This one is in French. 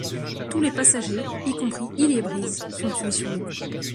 Tous les passagers, y compris Hill et Brise, sont tués sur le coup.